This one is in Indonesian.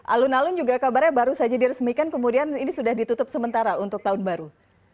alun alun juga kabarnya baru saja diresmikan kemudian ini sudah ditutup sementara untuk tahun baru